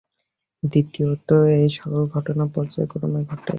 দ্বিতীয়ত এই-সকল ঘটনা পর্যায়ক্রমে ঘটে।